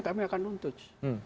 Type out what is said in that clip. kami akan nuntut